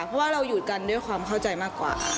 เพราะว่าเราอยู่กันด้วยความเข้าใจมากกว่า